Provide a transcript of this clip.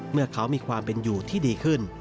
เมื่อเขามีความเป็นอยู่ที่ดีขึ้น